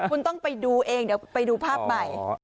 คุณต้องไปดูเองเดี๋ยวไปดูภาพใหม่